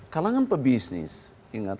kalangan pebisnis ingat